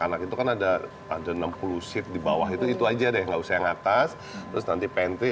anak itu kan ada ada enam puluh seat di bawah itu itu aja deh nggak usah yang atas terus nanti pentry